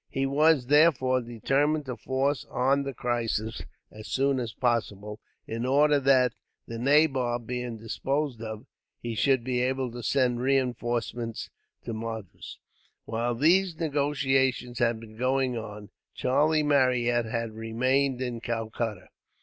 He was, therefore, determined to force on the crisis, as soon as possible; in order that, the nabob being disposed of, he should be able to send reinforcements to Madras. While these negotiations had been going on, Charlie Marryat had remained in Calcutta.